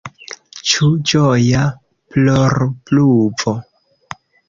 Ĉu ĝoja plorpluvo?